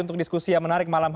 untuk diskusi yang menarik